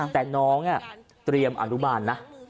แต่น้องเตรียมอนุบาลนะ